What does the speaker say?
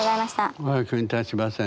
お役に立ちませんで。